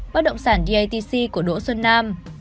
bác động sản datc của đỗ xuân nam